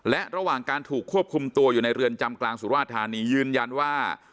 และระหว่างการถูกควบคุมตัวอยู่ในเรือนจำกลางสุราธานียืนยันว่า